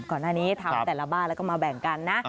ก่อนหน้านี้ทำแต่ละบ้านแล้วก็มาแบ่งกันนะ